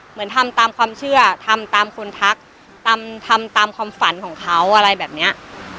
เหมือนทำตามความเชื่อทำตามคนทักทำตามความฝันของเขาอะไรแบบเนี้ย